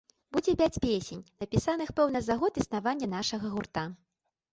Будзе пяць песень, напісаных, напэўна, за год існавання нашага гурта.